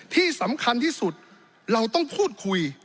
ที่สำคัญที่สุดเราต้องพูดคุย